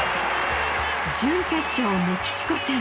準決勝メキシコ戦。